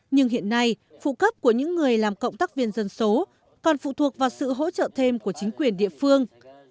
nhưng hiện nay phụ cấp của những người làm cộng tác viên dân số còn phụ thuộc vào sự hỗ trợ thêm của chính quyền địa phương